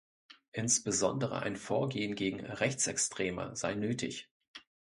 Insbesondere ein Vorgehen gegen Rechtsextreme sei nötig.